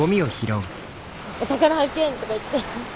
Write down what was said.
「お宝発見！」とか言って。